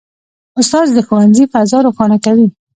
استاد د ښوونځي فضا روښانه کوي.